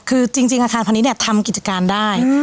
คือจริงอาคารพาณิชย์เนี่ยทำกิจการได้